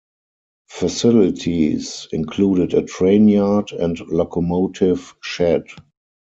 Facilities included a train yard and locomotive shed.